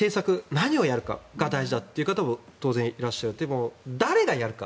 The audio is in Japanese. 何をやるかが大事だという方も当然、いらっしゃっても誰がやるか。